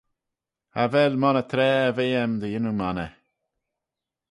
Cha vel monney traa er ve aym dy yannoo monney.